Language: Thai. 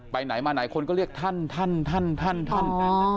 ไปไหนมาไหนคนก็เรียกท่านท่านท่านท่านท่าน